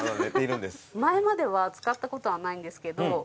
前までは使った事はないんですけど。